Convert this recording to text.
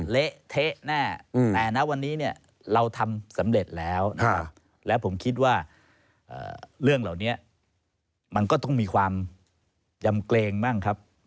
และผมคิดว่าเรื่องเหล่านี้มันก็ต้องมีความยำเกรงมั้งครับ